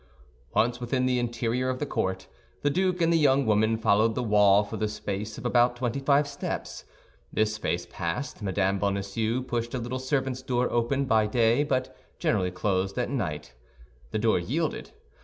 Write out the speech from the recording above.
Once within the interior of the court, the duke and the young woman followed the wall for the space of about twenty five steps. This space passed, Mme. Bonacieux pushed a little servants' door, open by day but generally closed at night. The door yielded.